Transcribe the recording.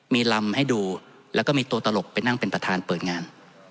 มีลำให้ดูแล้วก็มีตัวตลกไปนั่งเป็นประธานเปิดงาน